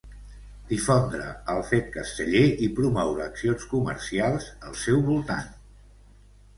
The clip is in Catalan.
Difondre el fet casteller i promoure accions comercials al seu voltant.